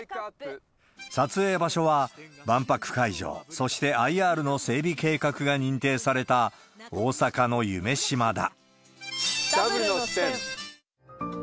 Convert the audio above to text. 撮影場所は、万博会場、そしてＩＲの整備計画が認定された、大阪の夢洲だ。